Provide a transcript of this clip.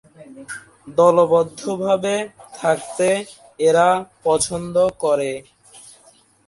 দলবদ্ধভাবে থাকতে এরা পছন্দ করে।